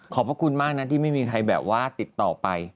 พระคุณมากนะที่ไม่มีใครแบบว่าติดต่อไป